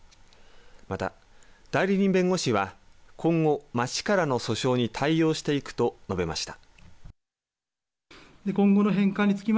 また、代理人弁護士は今後、町からの訴訟に対応していくと述べました。